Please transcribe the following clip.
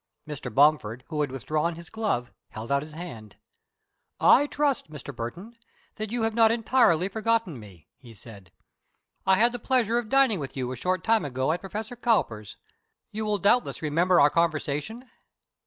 Mr. Bomford, who had withdrawn his glove, held out his hand. "I trust, Mr. Burton, that you have not entirely forgotten me," he said. "I had the pleasure of dining with you a short time ago at Professor Cowper's. You will doubtless remember our conversation?"